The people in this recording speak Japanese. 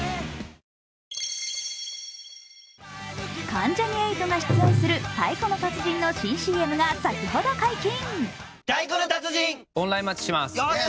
関ジャニ∞が出演する「太鼓の達人」の新ＣＭが先ほど解禁。